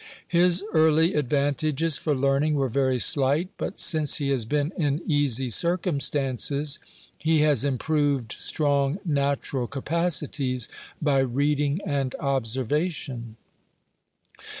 His early advantages for learning were very slight; but since he has been in easy circumstances, he has improved strong natural capacities by reading and observation.